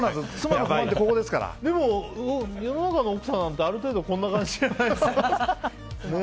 世の中の奥さんってある程度こんな感じじゃないですか？